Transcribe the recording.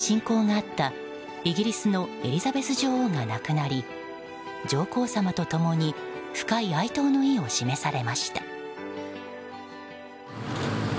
９月には、深い親交があったイギリスのエリザベス女王が亡くなり上皇さまと共に深い哀悼の意を示されました。